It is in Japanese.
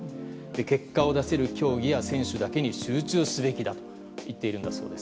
結果を出せる競技や選手だけに集中すべきだと言っているんだそうです。